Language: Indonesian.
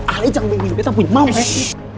eh ah jangan main main